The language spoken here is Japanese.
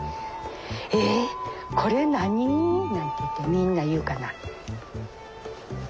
「えっこれ何？」なんていってみんな言うかな。